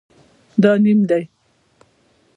دا نیم دی